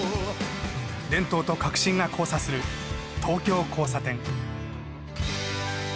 伝統と革新が交差する『東京交差点』。